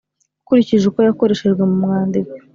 ukurikije uko yakoreshejwe mu mwandiko,